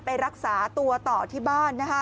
ไปรักษาตัวต่อที่บ้าน